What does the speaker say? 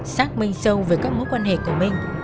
xác minh sâu về các mối quan hệ của minh